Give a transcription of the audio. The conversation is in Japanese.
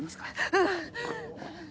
うん！